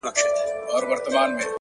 ستا سترگو كي بيا مرۍ، مرۍ اوښـكي،